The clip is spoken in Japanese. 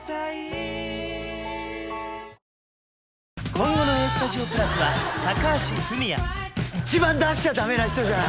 今後の「ＡＳＴＵＤＩＯ＋」は高橋文哉一番出しちゃダメな人じゃない！